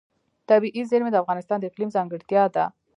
طبیعي زیرمې د افغانستان د اقلیم ځانګړتیا ده.